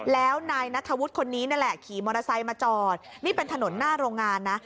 แล้วนายนัทธวุฒิคนนี้นั่นแหละขี่มอเตอร์ไซค์มาจอดนี่เป็นถนนหน้าโรงงานนะ